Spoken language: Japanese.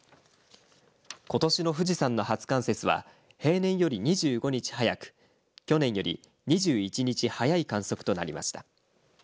ことしの富士山の初冠雪は平年より２５日早く去年より２１日早い観測となりました。